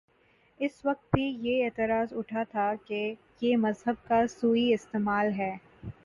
اس وقت بھی یہ اعتراض اٹھا تھاکہ یہ مذہب کا سوئ استعمال ہے۔